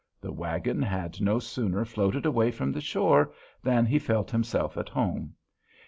The wagon had no sooner floated away from the shore than he felt himself at home.